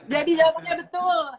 jadi jawabannya betul